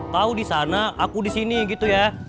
kau disana aku disini gitu ya